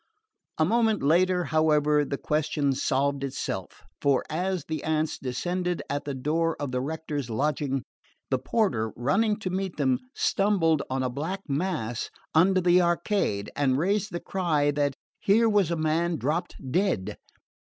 A moment later, however, the question solved itself; for as the aunts descended at the door of the rector's lodging, the porter, running to meet them, stumbled on a black mass under the arcade, and raised the cry that here was a man dropped dead.